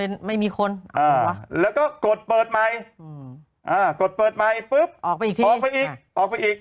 โหยวายโหยวายโหยวายโหยวายโหยวายโหยวายโหยวาย